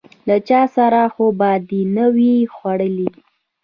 _له چا سره خو به دي نه و ي خوړلي؟